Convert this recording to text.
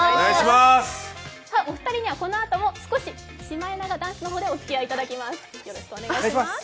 お二人にはこのあとも少しシマエナガダンスの方でおつきあいいただきます。